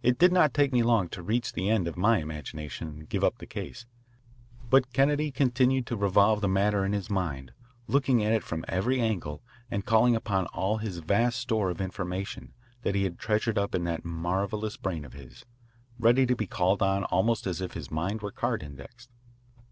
It did not take me long to reach the end of my imagination and give up the case, but Kennedy continued to revolve the matter in his mind, looking at it from every angle and calling upon all the vast store of information that he had treasured up in that marvellous brain of his, ready to be called on almost as if his mind were card indexed.